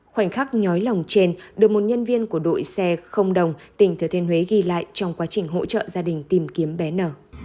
khoảnh khắc nhói lòng trên được một nhân viên của đội xe không đồng tỉnh thừa thiên huế ghi lại trong quá trình hỗ trợ gia đình tìm kiếm bé nở